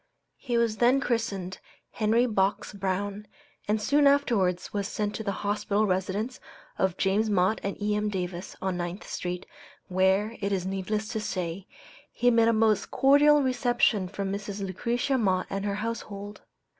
He was then christened Henry Box Brown, and soon afterwards was sent to the hospitable residence of James Mott and E.M. Davis, on Ninth street, where, it is needless to say, he met a most cordial reception from Mrs. Lucretia Mott and her household.